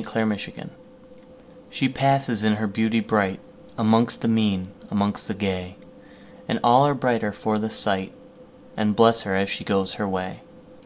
1840 The Secret SHE passes in her beauty brightAmongst the mean, amongst the gay, And all are brighter for the sight, And bless her as she goes her way.